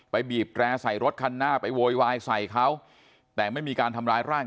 บีบแร่ใส่รถคันหน้าไปโวยวายใส่เขาแต่ไม่มีการทำร้ายร่าง